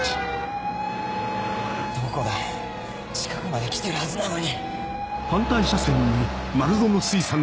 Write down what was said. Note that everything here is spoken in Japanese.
どこだ近くまで来てるはずなのに！